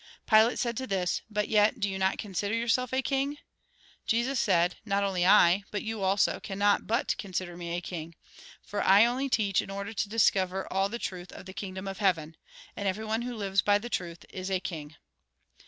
Pdate said to this :" But yet, do you not con sider yourself a king ?" Jesus said :" Not only I, but you also, cannot but consider me a king. For I only teach, in order to discover to all the truth of the kingdom of heaven. And everyone who lives by the truth, is a king."